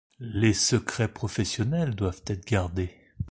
Les secrets professionnels doivent être gardés.